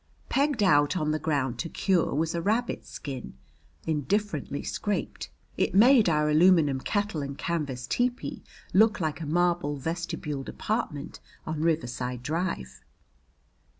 Pegged out on the ground to cure was a rabbit skin, indifferently scraped. It made our aluminum kettle and canvas tepee look like a marble vestibuled apartment on Riverside Drive.